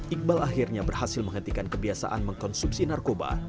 iqbal akhirnya berhasil menghentikan kebiasaan mengkonsumsi narkoba